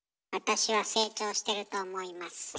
あたしは成長してると思います。